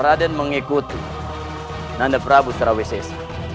rada mengikuti nanda prabu sarawet sesa